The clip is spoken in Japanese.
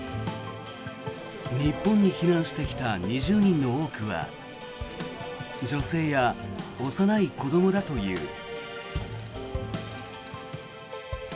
日本に避難してきた２０人の多くは女性や幼い子どもだという。